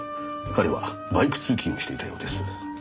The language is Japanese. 彼はバイク通勤をしていたようです。